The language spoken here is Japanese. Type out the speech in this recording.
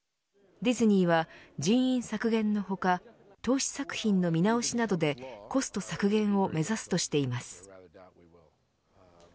ディズニーは、人員削減の他投資作品の見直しなどでコスト削減を目指すとしています。